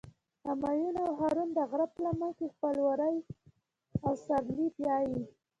همایون او هارون د غره په لمن کې خپل وري او سرلي پیایی.